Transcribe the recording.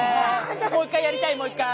もう一回やりたいもう一回。